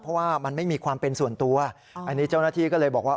เพราะว่ามันไม่มีความเป็นส่วนตัวอันนี้เจ้าหน้าที่ก็เลยบอกว่า